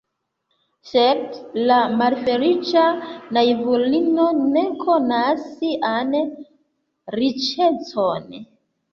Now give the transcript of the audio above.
Sed la malfeliĉa naivulino ne konas sian riĉecon.